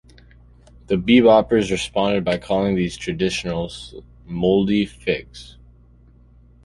The beboppers responded by calling these traditionalists "moldy figs".